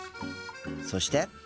そして。